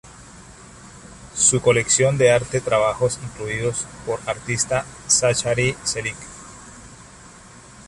Su colección de arte trabajos incluidos por artista Zachary Selig.